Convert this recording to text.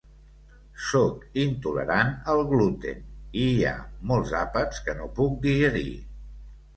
Soc intolerant al gluten i hi ha molts àpats que no puc digerir.